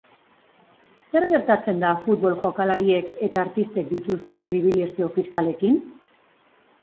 Zer gertatzen da futbol jokalariek eta artistek dituzten pribilejio fiskalekin?